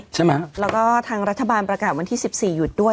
ใช่ไหมแล้วก็ทางรัฐบาลประกาศวันที่๑๔หยุดด้วย